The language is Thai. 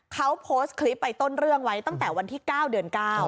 เขาโพสต์คลิปไปต้นเรื่องไว้ตั้งแต่วันที่๙เดือน๙